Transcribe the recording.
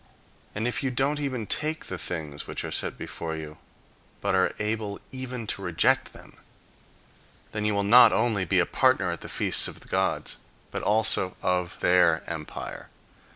And if you don't even take the things which are set before you, but are able even to reject them, then you will not only be a partner at the feasts of the gods, but also of their empire.